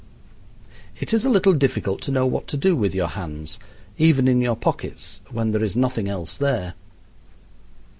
It is a little difficult to know what to do with your hands, even in your pockets, when there is nothing else there.